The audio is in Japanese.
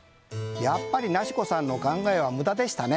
やっぱりなしこさんの考えは無駄でしたね。